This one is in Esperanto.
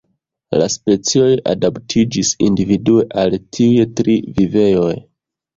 La specioj adaptiĝis individue al tiuj tri vivejoj.